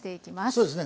そうですね。